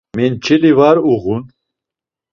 Menç̌eli var uğun.